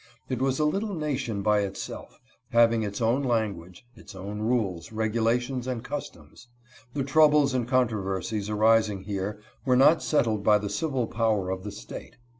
It was a little nation by itself, having its own language, its own rules, regulations, and customs. The troubles and controversies arising here were not settled by the civil power of the State.